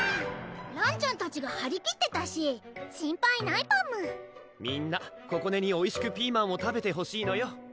らんちゃんたちがはりきってたし心配ないパムみんなここねにおいしくピーマンを食べてほしいのよ